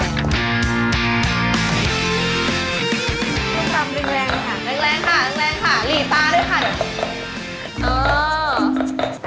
ตำรึงแรงค่ะแรงค่ะค่ะหลีตาด้วยค่ะ